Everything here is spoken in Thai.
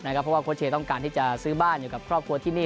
เพราะว่าโค้ชเชย์ต้องการที่จะซื้อบ้านอยู่กับครอบครัวที่นี่